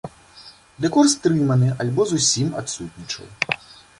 Дэкор стрыманы альбо зусім адсутнічаў.